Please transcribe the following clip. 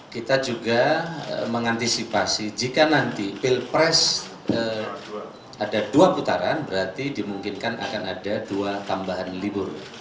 kita juga mengantisipasi jika nanti pilpres ada dua putaran berarti dimungkinkan akan ada dua tambahan libur